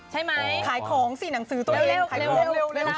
ใช่ไหมขายของสิหนังสือตัวเอง